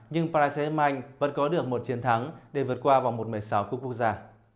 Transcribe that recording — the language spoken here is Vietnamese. nhưng paris saint germain vẫn có được một chiến thắng để vượt qua vòng một một mươi sáu cucuza